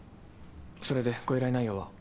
それでご依頼内容は？